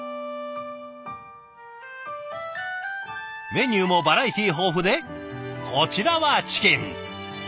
メニューもバラエティー豊富でこちらはチキン。